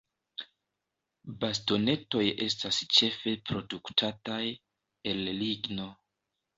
Bastonetoj estas ĉefe produktataj el ligno.